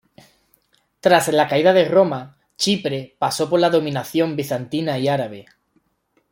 Tras la caída de Roma, Chipre pasó por la dominación bizantina y árabe.